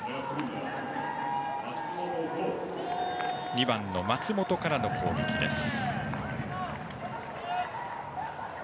２番の松本からの攻撃です。